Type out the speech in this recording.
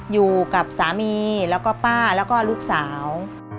อยู่กับสามีแล้วก็ป้าแล้วก็ลูกสาว